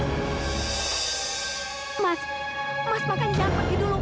mas mas makan siang pergi dulu